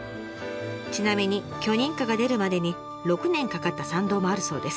ちなみに許認可が出るまでに６年かかった山道もあるそうです。